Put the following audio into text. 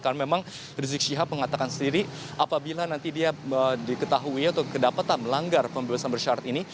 karena memang rizik kecilap mengatakan sendiri apabila nanti dia diketahui atau kedapatan melanggar pembebasan bersyarat ini